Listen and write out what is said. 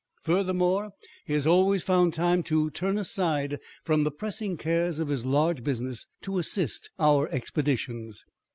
Furthermore, he has always found time to turn aside from the pressing cares of his large business to assist our expeditions.